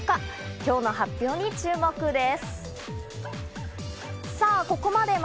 今日の発表に注目です。